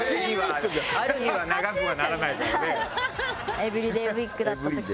エブリデイウィッグだった時。